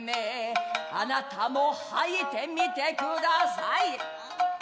「あなたもはいてみてください」。